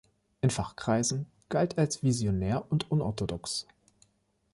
In Fachkreisen galt er als visionär und unorthodox.